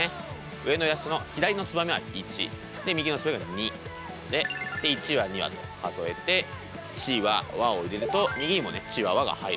上のイラストの左のツバメは１で右のツバメが２で１羽２羽と数えて「ちわ」「わ」を入れると右にもね「ちわわ」が入ると。